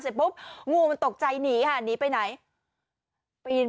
เสร็จปุ๊บงูมันตกใจหนีค่ะหนีไปไหนปีน